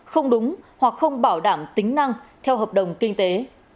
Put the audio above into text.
không đúng hoặc không bảo đảm tính năng theo hợp đồng kinh tế